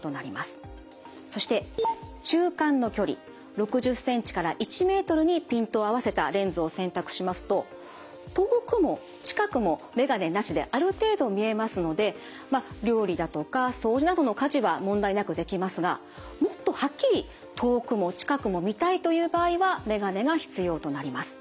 そして中間の距離６０ｃｍから１ｍにピントを合わせたレンズを選択しますと遠くも近くも眼鏡なしである程度見えますのでまあ料理だとか掃除などの家事は問題なくできますがもっとはっきり遠くも近くも見たいという場合は眼鏡が必要となります。